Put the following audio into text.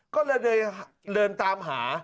ก็เลยเดินตามหา